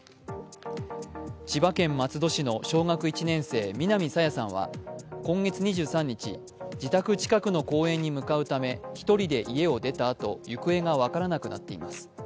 千葉県松戸市の小学１年生南朝芽さんは今月２３日、自宅近くの公園に向かうため１人で家を出たあと行方が分からなくなっています。